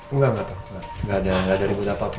enggak enggak gak ada ributan apa apa